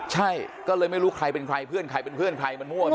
ใช่ก็เลยไม่รู้ใครเป็นใครเพื่อนใครเป็นเพื่อนใครมันมั่ว